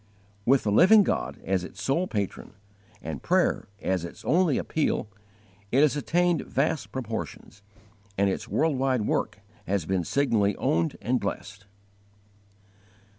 With the Living God as its sole patron, and prayer as its only appeal, it has attained vast proportions, and its world wide work has been signally owned and blessed.